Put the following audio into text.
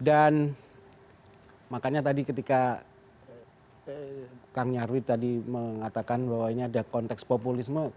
dan makanya tadi ketika kang nyarwi tadi mengatakan bahwa ini ada konteks populisme